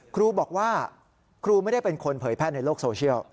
ครูบอกว่าครูไม่ได้เป็นคนเผยแพร่ในโลกโซเชียล